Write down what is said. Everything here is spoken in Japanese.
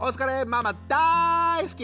ママだいすき！！